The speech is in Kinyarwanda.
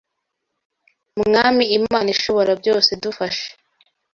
Mwami Imana Ishobora byose dufashe,